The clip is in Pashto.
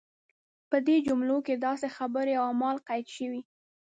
په دې جملو کې داسې خبرې او اعمال قید شوي.